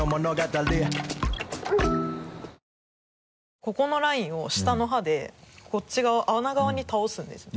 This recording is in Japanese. ここのラインを下の歯で穴側に倒すんですね。